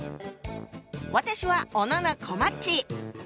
私は小野こまっち。